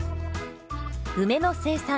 梅の生産